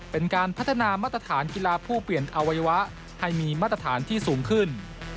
เป็นการพัฒนามาตรฐานกีฬาผู้เปลี่ยนอวัยวะให้มีมาตรฐานที่สูงขึ้น